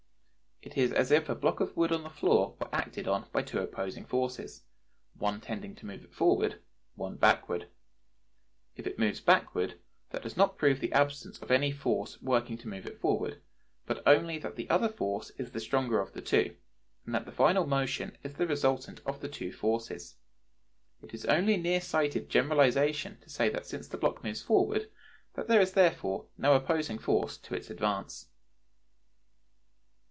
It is as if a block of wood on the floor were acted on by two opposing forces, one tending to move it forward, one backward: if it moves backward, that does not prove the absence of any force working to move it forward, but only that the other force is the stronger of the two, and that the final motion is the resultant of the two forces. It is only near sighted generalization to say that since the block moves forward, there is therefore no opposing force to its advance.